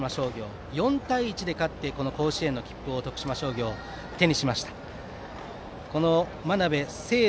４対１で勝って、甲子園の切符を徳島商業が手にしました。